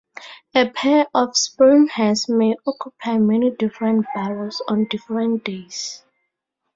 A pair of springhares may occupy many different burrows on different days.